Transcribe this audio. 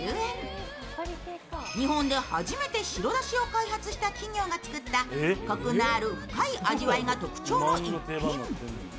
日本で初めて白だしを開発した企業が作ったコクのある深い味わいが特徴の逸品。